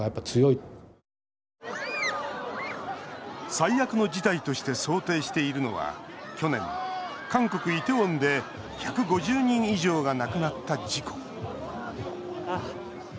最悪の事態として想定しているのは去年、韓国・イテウォンで１５０人以上が亡くなった事故。